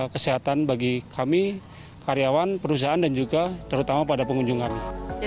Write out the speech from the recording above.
kesehatan bagi kami karyawan perusahaan dan juga terutama pada pengunjung kami